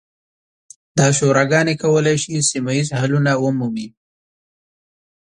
دا شوراګانې کولی شي سیمه ییز حلونه ومومي.